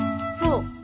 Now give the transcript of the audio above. そう。